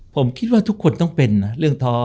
ผมคิดว่าทุกคนต้องเป็นนะเรื่องท้อ